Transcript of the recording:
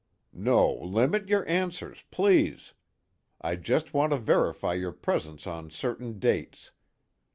"No, limit your answers, please. I just want to verify your presence on certain dates.